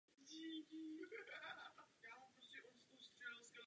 Ale nyní kladl hlavně důraz na čistý zpěv.